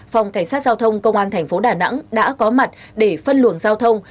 phòng cảnh sát giao thông công an thành phố đà nẵng đã có mặt để phân luồng giao thông